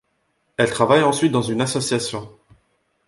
Elle travaille ensuite dans une association.